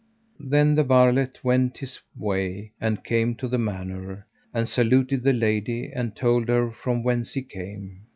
Then the varlet went his way and came to the manor, and saluted the lady, and told her from whence he came.